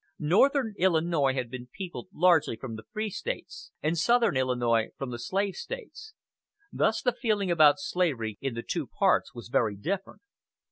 Northern Illinois had been peopled largely from the free States, and southern Illinois from the slave States; thus the feeling about slavery in the two parts was very different.